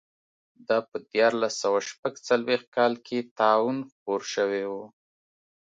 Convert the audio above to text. دا په دیارلس سوه شپږ څلوېښت کال کې طاعون خپور شوی و.